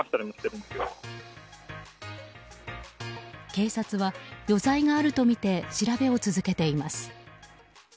警察は余罪があるとみて調べを続けています。